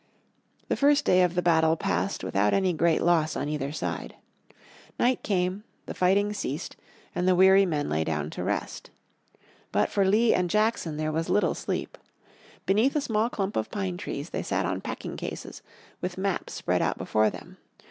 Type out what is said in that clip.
The first day of the battle passed without any great loss on either side. Night came, the fighting ceased, and the weary men lay down to rest. But for Lee and Jackson there was little sleep. Beneath a small clump of pine trees they sat on packing cases, with maps spread out before them.